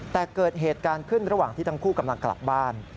แต่เกิดเหตุการณ์ขึ้นระหว่างที่ทั้งคู่กำลังกลับบ้าน